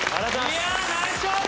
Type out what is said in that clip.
いやナイス勝負！